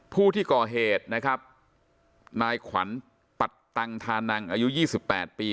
ผู้ที่ก่อเหตุนะครับนายขวัญปัตตังธานังอายุ๒๘ปี